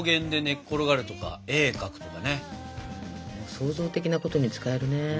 創造的なことに使えるね。